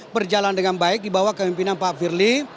berjalan dengan baik di bawah kemimpinan pak firly